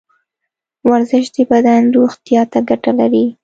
ورزش د بدن روغتیا ته ګټه لري.